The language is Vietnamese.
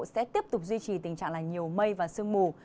sẽ tiếp tục duy trì tình trạng là nhiều mây và sương mù